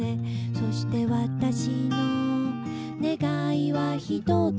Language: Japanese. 「そしてわたしの願いはひとつ」